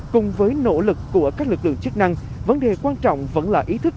cùng với nỗ lực của các lực lượng chức năng vấn đề quan trọng vẫn là ý thức